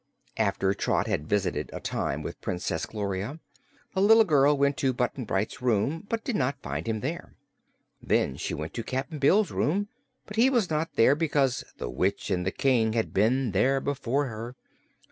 After Trot had visited a time with Princess Gloria, the little girl went to Button Bright's room but did not find him there. Then she went to Cap'n Bill's room, but he was not there because the witch and the King had been there before her.